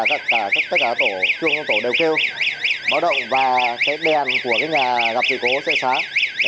tất cả tổ đều kêu báo động và cái đèn của cái nhà gặp dự cố sẽ sáng